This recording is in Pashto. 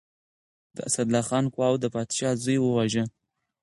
د اسدالله خان قواوو د پادشاه زوی وواژه.